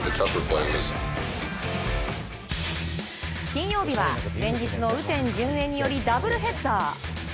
金曜日は前日の雨天順延によりダブルヘッダー。